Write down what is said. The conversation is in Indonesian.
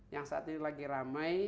yang saat ini lagi ramai